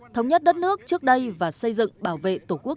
thống nhất đất nước trước đây và xây dựng bảo vệ tổ quốc